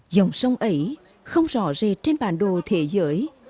dòng sông ấy không rõ rệt trên bản đồ thế giới